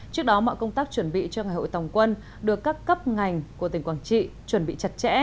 trước đó mọi công tác chuẩn bị cho ngày hội tòng quân được các cấp ngành của tỉnh quảng trị chuẩn bị chặt chẽ